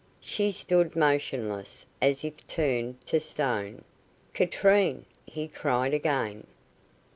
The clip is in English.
She stood motionless, as if turned to stone. "Katrine!" he cried again.